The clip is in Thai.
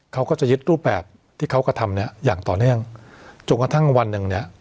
เขาก็จะยึดรูปแบบที่เขากระทำเนี้ยอย่างต่อเนื่องจนกระทั่งวันหนึ่งเนี้ย